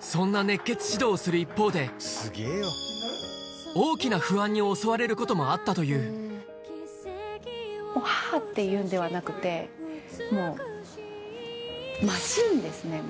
そんな熱血指導をする一方で大きな不安に襲われることもあったというがいっつもあるんですね。